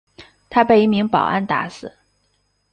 他被一名保安打死。